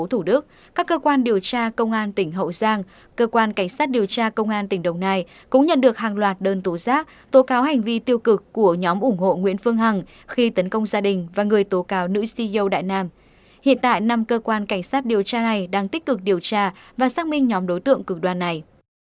hiện tại năm cơ quan cảnh sát điều tra này đang tích cực điều tra và xác minh nhóm đối tượng cực đoan này